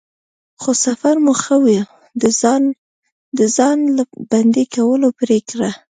خو سفر مو ښه و، د د ځان بندی کولو پرېکړه.